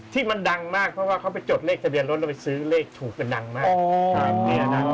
ที่มันดังมากเพราะว่าเขาไปจดเลขทะเบียนรถแล้วไปซื้อเลขถูกกันดังมาก